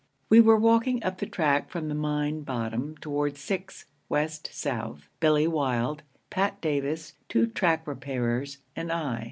We were walking up the track from the mine bottom toward six west south Billy Wild, Pat Davis, two track repairers, and I.